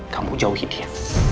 kamu jauhi dia